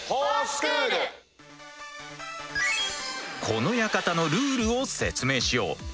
この館のルールを説明しよう。